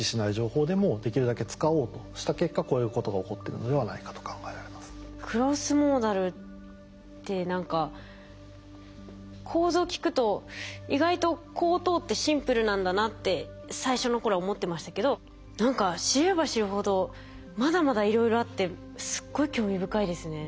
ただ「判断をする」みたいなところでだからこそクロスモーダルって何か構造を聞くと意外とこう通ってシンプルなんだなって最初の頃は思ってましたけど何か知れば知るほどまだまだいろいろあってすごい興味深いですね。